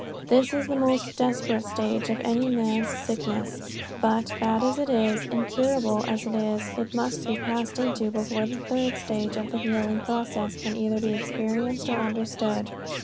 This is the most desperate stage in any man's sickness; but, bad as it is, incurable as it is, it must be passed into before the third stage of the healing process can either be experienced or understood.